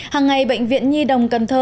hàng ngày bệnh viện nhi đồng cần thơ